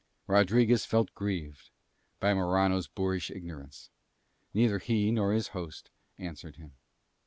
Rodriguez felt grieved by Morano's boorish ignorance. Neither he nor his host answered him.